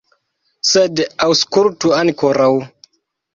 Sed aŭskultu ankoraŭ.